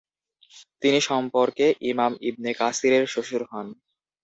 তিনি সম্পর্কে ইমাম ইবনে কাসীরের শ্বশুর হন।